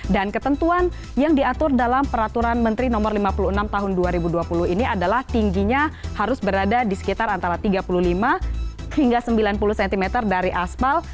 dan ketentuan yang diatur dalam peraturan menteri nomor lima puluh enam tahun dua ribu dua puluh ini adalah tingginya harus berada di sekitar antara tiga puluh lima hingga sembilan puluh cm dari aspal